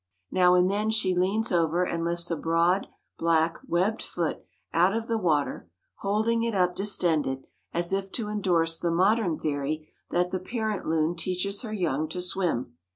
Now and then she leans over and lifts a broad, black, webbed foot out of the water, holding it up distended, as if to endorse the modern theory that the parent loon teaches her young to swim.